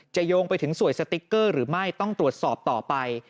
โยงไปถึงสวยสติ๊กเกอร์หรือไม่ต้องตรวจสอบต่อไป